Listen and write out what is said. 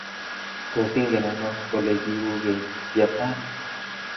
tos ingende ano ole kiuu keny Japan?